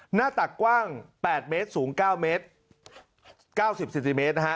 หน้าตักกว้าง๘เมตรสูง๙เมตร๙๐เซนติเมตรนะฮะ